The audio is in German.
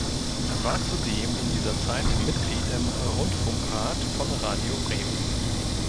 Er war zudem in dieser Zeit Mitglied im Rundfunkrat von Radio Bremen.